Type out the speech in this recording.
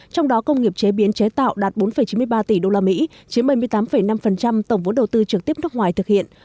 trong đó công nghiệp chế biến chế tạo đạt bốn chín mươi ba tỷ usd chiếm bảy mươi tám năm tổng vốn đầu tư trực tiếp nước ngoài thực hiện